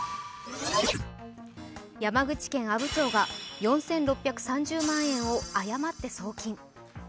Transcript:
山口県阿武町が４６３０万円を誤って送金。